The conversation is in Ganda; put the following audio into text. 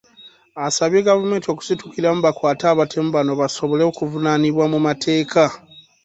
Asabye gavumenti okusitukiramu bakwate abatemu bano basobole okuvunaanibwa mu mateeka.